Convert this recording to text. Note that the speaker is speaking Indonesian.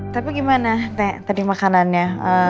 tapi gimana kayak tadi makanannya